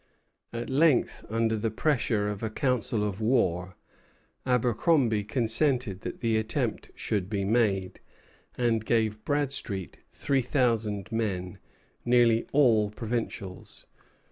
At length, under the pressure of a council of war, Abercromby consented that the attempt should be made, and gave Bradstreet three thousand men, nearly all provincials.